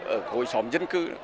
ở hội xóm dân cư